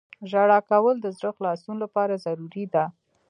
• ژړا کول د زړه د خلاصون لپاره ضروري ده.